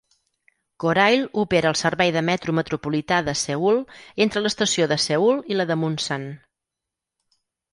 Korail opera el servei del metro metropolità de Seül entre l'estació de Seül i la de Munsan.